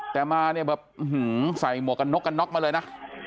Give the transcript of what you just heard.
แต่มาเนี่ยแบบหื้อหือใส่หมวกกันนกกันนกมาเลยนะ